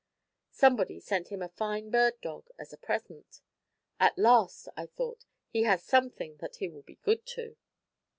Somebody sent him a fine bird dog, as a present. "At last," I thought, "he has something that he will be good to."